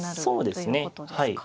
そうですね。